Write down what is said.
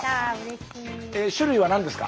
種類は何ですか？